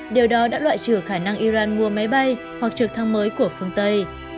điều đó đã loại trừ khả năng iran mua máy bay hoặc trực thăng mới của phương tây